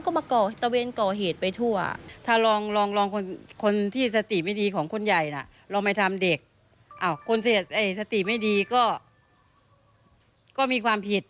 ก็ทำเด็กคนสติไม่ดีก็มีความผิด